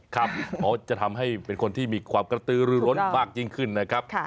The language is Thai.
เขาจะทำให้เป็นคนที่มีความกระตือรือร้นมากยิ่งขึ้นนะครับ